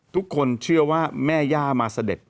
ทุกคนเชื่อว่าแม่ย่ามาเสด็จ